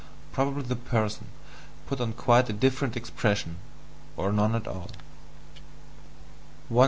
Probably the person put on quite a different expression, or none at all. 193.